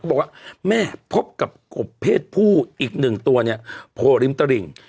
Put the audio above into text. บอกว่าแม่พบกับกบเพศผู้อีกหนึ่งตัวเนี่ยโผล่ริมตลิ่ง